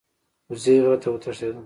وزې غره ته وتښتیده.